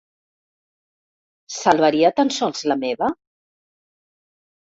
Salvaria tan sols la meva?